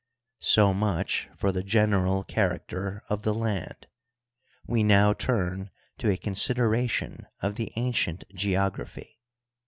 So much for the general character of the land. We now turn to a consideration of the ancient geography.